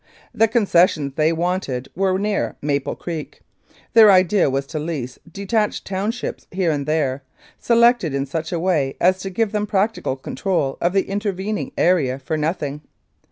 The concessions they wanted were near Maple Creek. Their idea was to lease detached townships here and there, selected in such a way as to give them practical control of the intervening area for nothing.